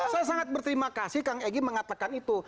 saya sangat berterima kasih kang egy mengatakan itu